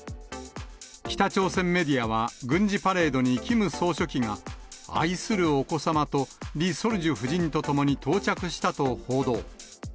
北朝鮮メディアは、軍事パレードにキム総書記が、愛するお子様とリ・ソルジュ夫人と共に到着したと報道。